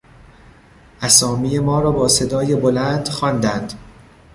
اسامی ما را با صدای بلند خواندند.